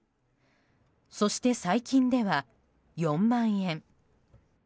そして最近では４万円。